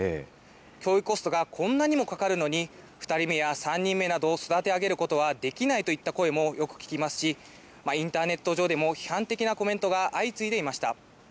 教育コストがこんなにもかかるのに、２人目や３人目などを育て上げることはできないといった声もよく聞きますし、インターネット上でも批判的なコメントが相次いでいました。